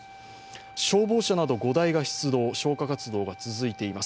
消防車など５台が出動、消火活動が続いています。